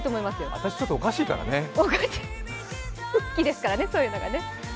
私、ちょっとおかしいからね好きですからね、そういうのが。